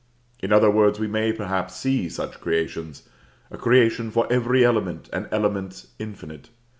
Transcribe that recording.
In other worlds we may, perhaps, see such creations; a creation for every element, and elements infinite.